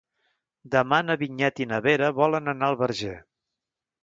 Demà na Vinyet i na Vera volen anar al Verger.